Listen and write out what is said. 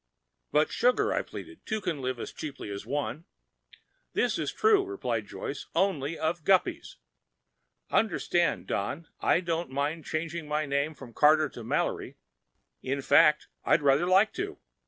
"But, sugar," I pleaded, "two can live as cheaply as one—" "This is true," replied Joyce, "only of guppies. Understand, Don, I don't mind changing my name from Carter to Mallory. In fact, I'd rather like to.